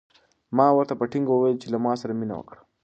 ما ورته په ټینګه وویل چې له ما سره مینه وکړه.